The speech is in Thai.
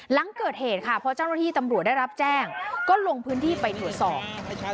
หลังเกิดเหตุค่ะพอเจ้าหน้าที่ตำรวจได้รับแจ้งก็ลงพื้นที่ไปตรวจสอบ